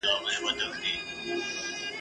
خو په كور كي د شيطان لكه زمرى وو !.